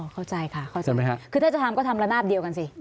อ๋อเข้าใจค่ะคือถ้าจะทำก็ทำระนาบเดียวกันสิ